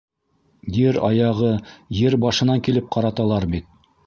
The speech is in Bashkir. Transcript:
Ер аяғы ер башынан килеп ҡараталар бит.